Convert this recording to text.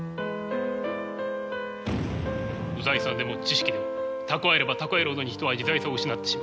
財産でも知識でも蓄えれば蓄えるほどに人は自在さを失ってしまう。